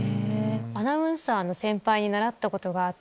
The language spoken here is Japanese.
アナウンサーの先輩に習ったことがあって。